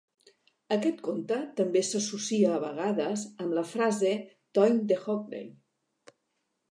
Aquest conte també s'associa a vegades amb la frase "toeing the hockey".